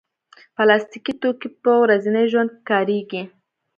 پلاستيکي توکي په ورځني ژوند کې کارېږي.